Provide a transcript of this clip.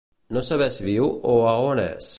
No saber si viu o a on és.